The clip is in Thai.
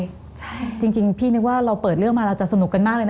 ใช่จริงพี่นึกว่าเราเปิดเรื่องมาเราจะสนุกกันมากเลยนะ